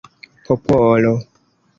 popolo